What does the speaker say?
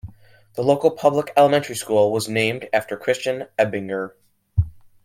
The local public elementary school was named after Christian Ebinger.